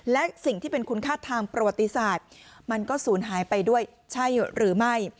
และสิ่งที่เป็นคุณค่าทางประวัติศาสตร์มันก็ศูนย์หายไปด้วยใช่หรือไม่